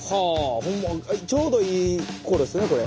ちょうどいい頃ですねこれ。